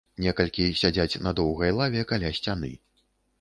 Некалькі сядзяць на доўгай лаве каля сцяны.